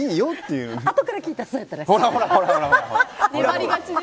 あとから聞いたらそうやったらしい。